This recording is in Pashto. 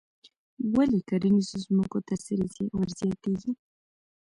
ولې کرنیزو ځمکو ته سرې ور زیاتیږي؟